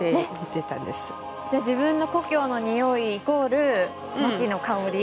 じゃあ自分の故郷のにおいイコールマキの香り？